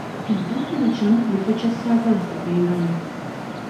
Eddwaliro kimu ku bifo kye saagala kugendamu.